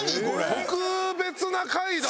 特別な回だ。